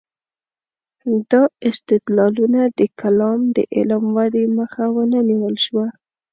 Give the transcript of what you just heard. دا استدلالونه د کلام د علم ودې مخه ونه نیول شوه.